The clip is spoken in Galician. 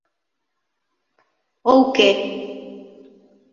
Ou que?